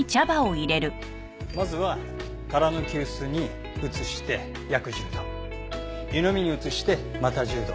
まずは空の急須に移して約１０度湯飲みに移してまた１０度。